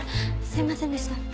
すいませんでした。